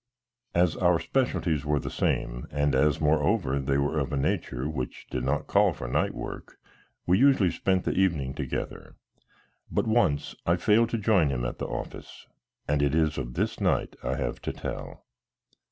As our specialties were the same, and as, moreover, they were of a nature which did not call for night work, we usually spent the evening together. But once I failed to join him at the office, and it is of this night I have to tell.